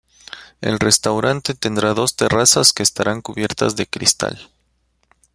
El restaurante tendrá dos terrazas que estarán cubiertas de cristal.